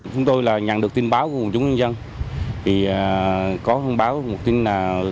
chúng tôi nhận được tin báo của một chú nhân dân